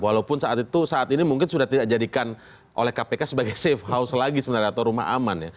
walaupun saat itu saat ini mungkin sudah tidak dijadikan oleh kpk sebagai safe house lagi sebenarnya atau rumah aman ya